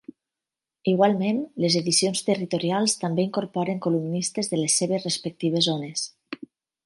Igualment, les edicions territorials també incorporen columnistes de les seves respectives zones.